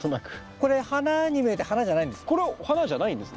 これ花に見えて花じゃないんです。